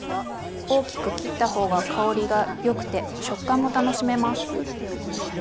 大きく切った方が香りがよくて食感も楽しめます。